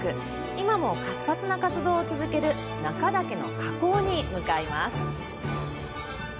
今も活発な活動を続ける中岳の火口に向かいます。